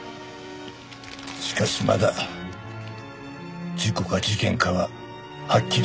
しかしまだ事故か事件かははっきりしねえ。